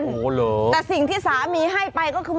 แต่สิ่งที่สามีให้ไปก็คือ